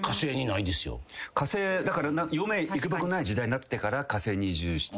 火星だから余命いくばくもない時代になってから火星に移住して。